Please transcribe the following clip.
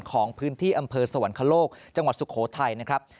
ของพื้นที่อำเภอสวรรคโลกจังหวัดสุโขทัยนะครับ